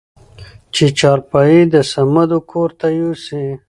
چې چارپايي د صمدو کورته يوسې؟